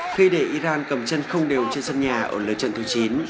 khi để iran cầm chân không đều trên sân nhà ở lời trận thứ chín